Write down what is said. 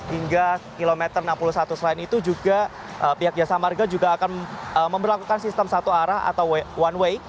hingga kilometer enam puluh satu selain itu juga pihak jasa marga juga akan memperlakukan sistem satu arah atau one way